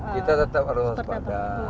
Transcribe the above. kita tetap harus waspada